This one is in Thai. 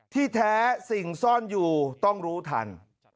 ที่แท้สิ่งซ่อนอยู่ต้องรู้ทัน